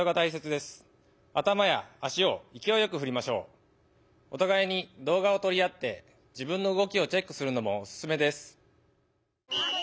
回転技はおたがいにどうがをとり合って自分のうごきをチェックするのもおすすめです。